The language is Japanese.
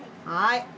はい。